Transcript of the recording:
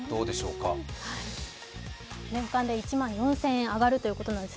年間で１万４０００円上がるということなんです。